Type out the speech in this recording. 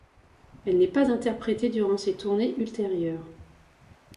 Elle n'est pas interprétée durant ses tournées ultérieures.